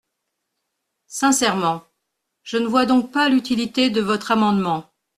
Sincèrement, je ne vois donc pas l’utilité de votre amendement.